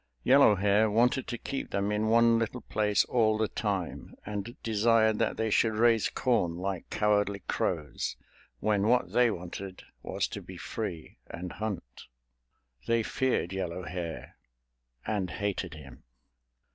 Yellow Hair wanted to keep them in one little place all the time, and desired that they should raise corn like cowardly Crows, when what they wanted was to be free and hunt! They feared Yellow Hair—and hated him.